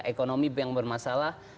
ekonomi yang bermasalah